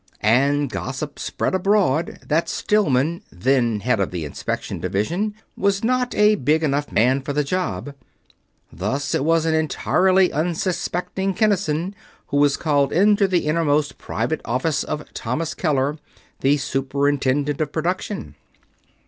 And gossip spread abroad that Stillman, then Head of the Inspection Division, was not a big enough man for the job. Thus it was an entirely unsuspecting Kinnison who was called into the innermost private office of Thomas Keller, the Superintendent of Production.